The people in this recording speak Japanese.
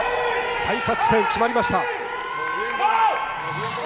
対角線、決まりました。